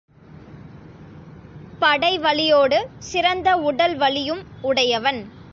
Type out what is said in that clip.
படைவலியோடு, சிறந்த உடல் வலியும் உடையவன்.